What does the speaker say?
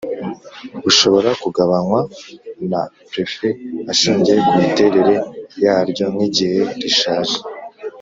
bushobora kugabanywa na prefe ashingiye kumiterere yaryo nk’igihe rishaje